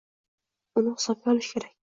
Uni hisobga olish kerak.